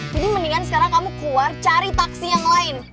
jadi mendingan sekarang kamu keluar cari taksi yang lain